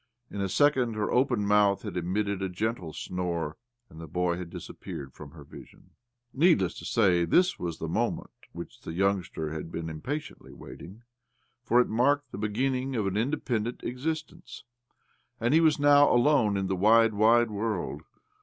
In a second hter open mouth had emitted a gentle snore, and the boy had disappeared from her vision. Needless to say, this was the moment which the youngster had been impatiently, awaiting, for it marked the beginning of an independent existence, and he was now alone in the wide, wide world.